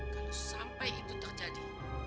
kalau sampai itu terjadi